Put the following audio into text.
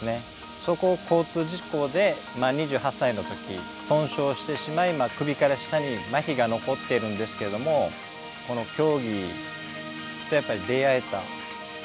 そこを交通事故で２８歳のとき、損傷してしまい首から下にまひが残っているんですけどもこの競技と出会えた。